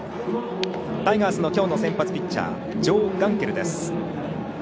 タイガースのきょうの先発ピッチャージョー・ガンケルです。